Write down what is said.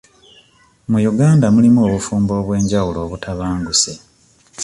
Mu Uganda mulimu obufumbo obw'enjawulo obutabanguse.